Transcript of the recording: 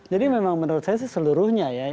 jadi memang menurut saya sih seluruhnya ya